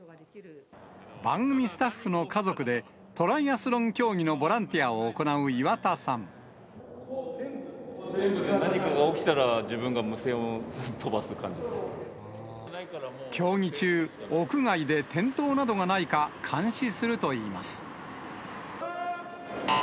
番組スタッフの家族で、トライアスロン競技のボランティアを行う岩田さん。何かが起きたら、競技中、屋外で転倒などがないか、監視するといいます。